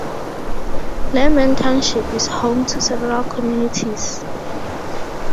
Lehman Township is home to several communities.